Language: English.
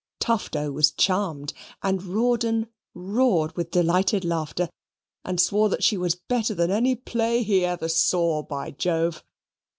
Tufto was charmed, and Rawdon roared with delighted laughter, and swore that she was better than any play he ever saw, by Jove.